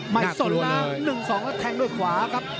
ไม่สนนะ๑๒แล้วแทงด้วยขวาครับ